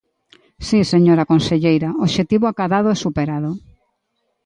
Si, señora conselleira, obxectivo acadado e superado.